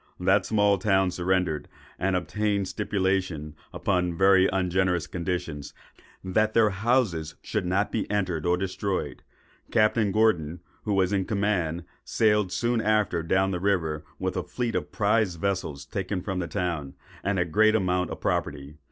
That small town surrendered, and obtained a stipulation, upon very ungenerous conditions, that their houses should not be entered or destroyed. Captain Gordon, who was in command, sailed soon after down the river with a fleet of prize vessels taken from the town, and a great amount of property.